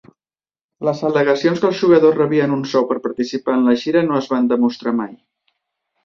Les al·legacions que els jugadors rebien un sou per participar en la gira no es van demostrar mai.